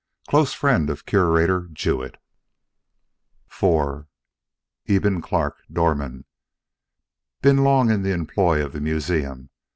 Close friend of Curator Jewett. IV Eben Clarke, door man. Been long in the employ of museum.